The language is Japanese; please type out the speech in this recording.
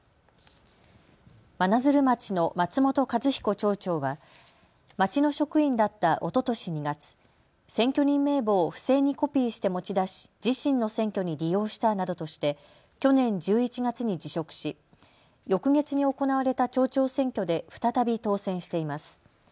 真鶴町の松本一彦町長は町の職員だったおととし２月、選挙人名簿を不正にコピーして持ち出し自身の選挙に利用したなどとして去年１１月に辞職し翌月に行われた町長選挙で再び当選しています。